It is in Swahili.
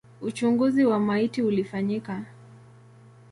Uchunguzi wa maiti ulifanyika.